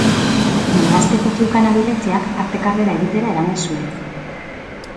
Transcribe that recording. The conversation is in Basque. Marrazteko zeukan abileziak arte-karrera egitera eraman zuen.